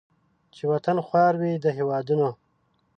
چې وطن خوار وي د هیوادونو